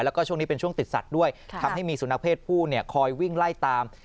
แล้วก็ช่วงนี้เป็นช่วงติดสัตว์ด้วยทำให้มีสุนัขเพศผู้คอยวิ่งไล่ตาม